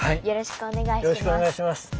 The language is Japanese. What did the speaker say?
よろしくお願いします。